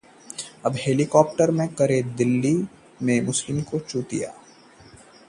अब हेलीकॉप्टर से करें दिल्ली से हरिद्वार-वैष्णो देवी-शिमला-आगरा की यात्रा